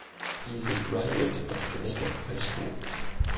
He is a graduate of Jamaica High School.